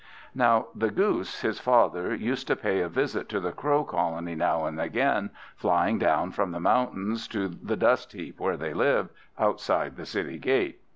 Now the Goose, his father, used to pay a visit to the Crow colony now and again, flying down from the mountains to the dust heap where they lived, outside the city gate.